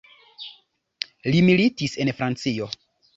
Li militis en Francio.